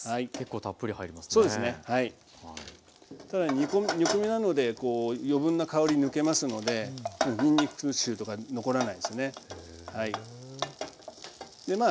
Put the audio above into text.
ただ煮込みなのでこう余分な香り抜けますのでにんにく臭とか残らないですね。